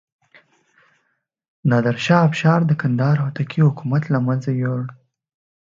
نادر شاه افشار د کندهار هوتکي حکومت له منځه یووړ.